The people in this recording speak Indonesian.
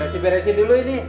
kita beresin dulu ini